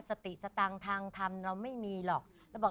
สติสตางทางธรรมเราไม่มีหรอก